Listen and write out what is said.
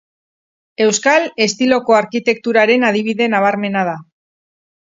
Euskal estiloko arkitekturaren adibide nabarmena da.